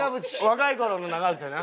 若い頃の長渕さんやな。